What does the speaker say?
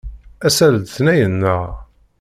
Ass-a d letniyen, naɣ?